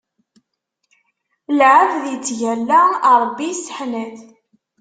Lɛebd ittgalla, Ṛebbi isseḥnat.